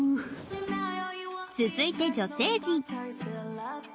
続いて女性陣